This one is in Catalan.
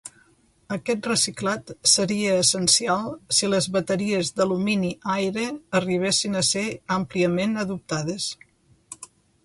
Aquest reciclat seria essencial si les bateries d'alumini-aire arribessin a ser àmpliament adoptades.